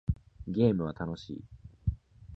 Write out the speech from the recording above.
ゲームは楽しい